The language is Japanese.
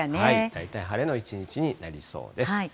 大体晴れの一日になりそうです。